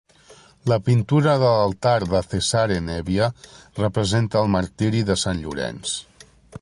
La pintura de l'altar de Cesare Nebbia representa el martiri de Sant Llorenç.